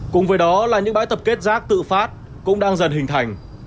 cùng với đó là những bãi tập kết rác tự phát cũng đang dần hình thành